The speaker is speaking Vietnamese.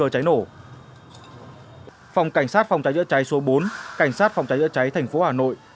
cảnh sát phòng cháy chữa cháy thành phố hà nội